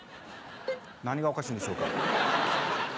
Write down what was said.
何がおかしいんでしょうか？